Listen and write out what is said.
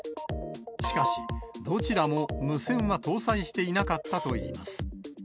しかし、どちらも無線は搭載していなかったといいます。